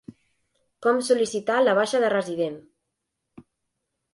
Com sol·licitar la baixa de resident.